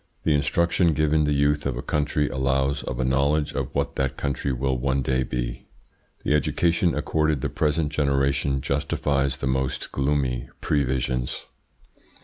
The instruction given the youth of a country allows of a knowledge of what that country will one day be. The education accorded the present generation justifies the most gloomy previsions.